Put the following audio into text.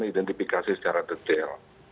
kita identifikasi secara detail